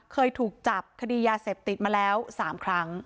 เคยถูกจับคดียาเสพติดมาแล้ว๓ครั้ง